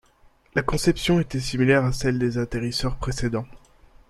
La conception était similaire à celle des atterrisseurs précédents.